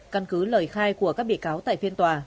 căn cứ lời khai của các bị cáo tại phiên tòa